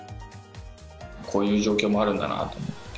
こういう状況もあるんだなと思って。